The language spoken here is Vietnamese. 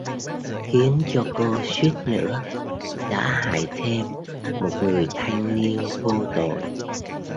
Khiến cho cô suýt nữa đã hại thêm một người thanh niên vô tội